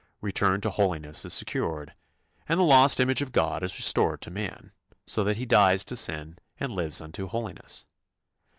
Return to holiness is secured, and the lost image of God is restored to man, so that he dies to sin and lives unto holiness.